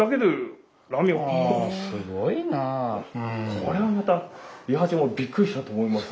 これもまた伊八もびっくりしたと思います。